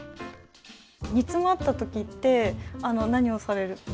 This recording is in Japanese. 煮詰まった時って何をされるんですか？